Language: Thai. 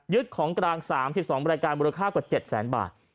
ของกลาง๓๒บริการมูลค่ากว่า๗แสนบาท